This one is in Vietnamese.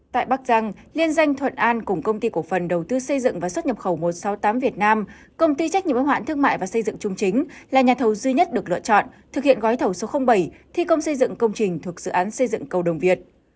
tại bắc giang liên danh thuận an cùng công ty cổ phần đầu tư xây dựng và xuất nhập khẩu một trăm sáu mươi tám việt nam công ty trách nhiệm ứng hoạn thương mại và xây dựng trung chính là nhà thầu duy nhất được lựa chọn thực hiện gói thầu số bảy thi công xây dựng công trình thuộc dự án xây dựng cầu đồng việt